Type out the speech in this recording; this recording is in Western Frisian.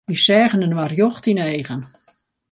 Wy seagen inoar rjocht yn 'e eagen.